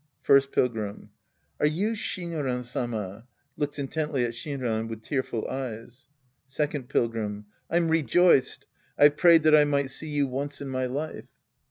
First Pilgrim. Are you Sliinran Sama ? {Looks intently at Shinran with tearful eyes.) Second Pilgrim. I'm rejoiced. I've prayed that I might see you once in my life.